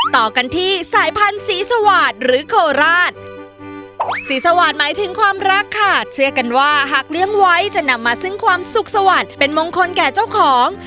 ต่อกันที่สายพันธุ์สีสวาสตร์หรือโคราชสีสวาดหมายถึงความรักค่ะเชื่อกันว่าหากเลี้ยงไว้จะนำมาซึ่งความสุขสวัสดิ์เป็นมงคลแก่เจ้าของ